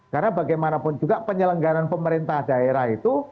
karena bagaimanapun juga penyelenggaran pemerintah daerah itu